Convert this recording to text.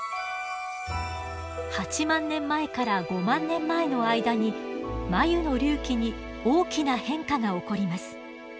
８万年前から５万年前の間に眉の隆起に大きな変化が起こります。